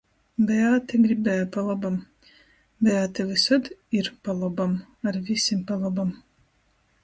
Beāte gribēja pa lobam. Beāte vysod ir pa lobam, ar vysim pa lobam.